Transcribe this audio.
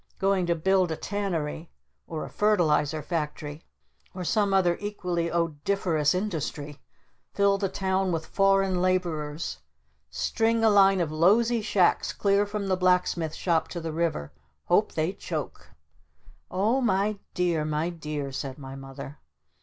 Going to build a Tannery! Or a Fertilizer Factory! Or some other equally odoriferous industry! Fill the town with foreign laborers! String a line of lowsy shacks clear from the Blacksmith Shop to the river! Hope they choke!" "Oh my dear my dear!" said my Mother.